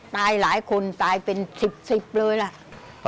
ตายหลายคนตายเป็น๑๐เลยล่ะ